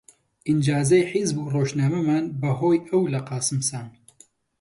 ئیجازەی حیزب و ڕۆژنامەمان بە هۆی ئەو لە قاسم ساند